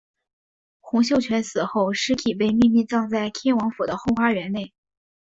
洪秀全死后尸体被秘密葬在天王府的后花园内。